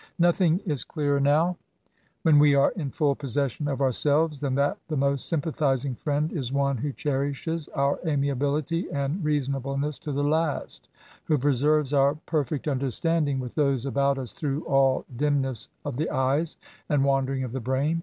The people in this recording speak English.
Nothing is clearer now, when we are in full possession of ourselves, than that the most sympathising Mend is one who cherishes our amiability and reason ableness to the last, — who preserves our perfect understanding with those about us through all dimness of the eyes and wandering of the brain.